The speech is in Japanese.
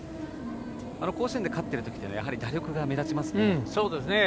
甲子園で勝っているときというのはやはり打力が目立ちますが。